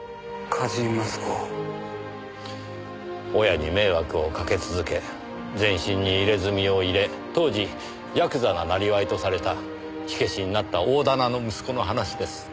親に迷惑をかけ続け全身に入れ墨を入れ当時やくざな生業とされた火消しになった大店の息子の話です。